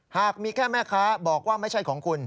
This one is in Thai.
หากมีแค่แม่ค้าบอกว่าไม่ใช่ของคุณ